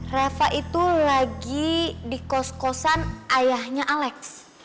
rafa itu lagi di kos kosan ayahnya alex